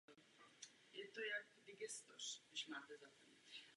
Dílo začíná popisem poloostrova Peloponés a části severního Řecka.